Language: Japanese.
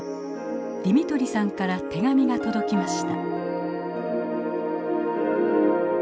ディミトリさんから手紙が届きました。